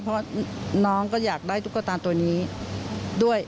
เพราะว่าน้องก็อยากได้ตุ๊กตาตัวนี้ด้วย